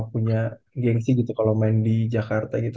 punya gengsi gitu kalau main di jakarta gitu